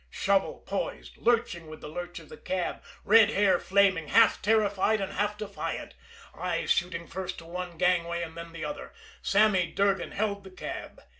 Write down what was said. Shovel poised, lurching with the lurch of the cab, red hair flaming, half terrified and half defiant, eyes shooting first to one gangway and then the other, Sammy Durgan held the cab.